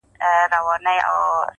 انسان یې په عادي حالت کې نشي احساسولای